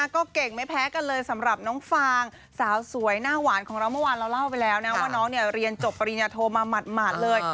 ก็เก่งไม่แพ้กันเลยสำหรับน้องฟางสาวสวยหน้าหวานของเราเมื่อวานเราเล่าไปแล้วนะว่าน้องเนี่ยเรียนจบปริญญาโทมาหมาดเลย